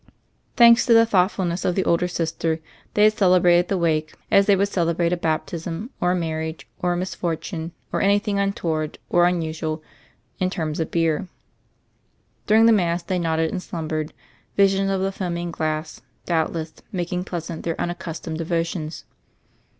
Thanks to the thoughtfulness of the older sister they had cele brated the wake, as they would celebrate a 211 212 THE FAIRY OF THE SNOWS baptism or a marriage or a misfortune or any thing untoward or unusual — in terms of beer. Dunng the Mass, they nodded and slumbered, visions of the foaming glass, doubtless, making pleasant their unaccustomed devotions.